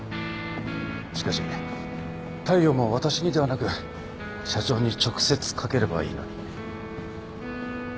しかし大陽も私にではなく社長に直接かければいいのに。